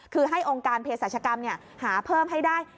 คือให้องค์การเพศรัชกรรมหาเพิ่มให้ได้